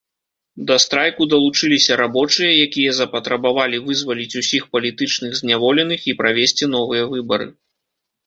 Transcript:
Да страйку далучыліся рабочыя, якія запатрабавалі вызваліць усіх палітычных зняволеных і правесці новыя выбары.